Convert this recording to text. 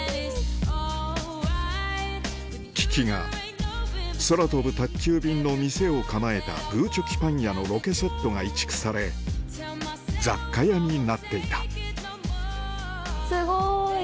キキが空飛ぶ宅急便の店を構えたグーチョキパン屋のロケセットが移築され雑貨屋になっていたすごい！